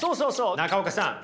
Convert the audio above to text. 中岡さん